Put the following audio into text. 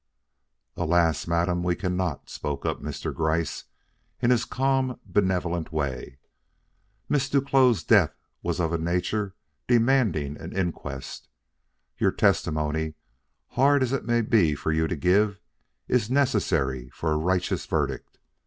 "Alas, madam, we cannot!" spoke up Mr. Gryce in his calm, benevolent way. "Miss Duclos' death was of a nature demanding an inquest. Your testimony, hard as it may be for you to give it, is necessary for a righteous verdict.